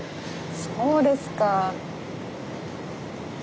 そうですか。